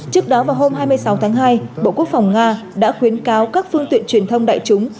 trước đó vào hôm hai mươi sáu tháng hai bộ quốc phòng nga đã khuyến cáo các phương tiện truyền thông đại chúng